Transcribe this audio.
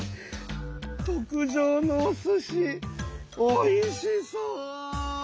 特上のおすしおいしそう！